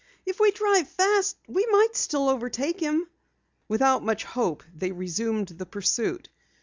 "If we drive fast we might still overtake him." Without much hope, they resumed the pursuit.